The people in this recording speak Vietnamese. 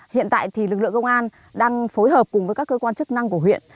hiện tại lực lượng công an đang phối hợp cùng các cơ quan chức năng của huyện